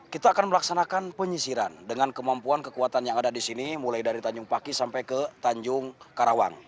kita akan melaksanakan penyisiran dengan kemampuan kekuatan yang ada di sini mulai dari tanjung pakis sampai ke tanjung karawang